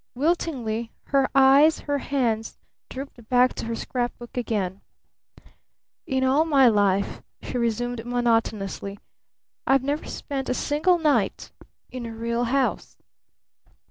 Wiltingly her eyes, her hands, drooped back to her scrap book again. "In all my life," she resumed monotonously, "I've never spent a single night in a real house."